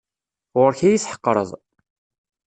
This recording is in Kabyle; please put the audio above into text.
Ɣur-k ad iyi-tḥeqreḍ.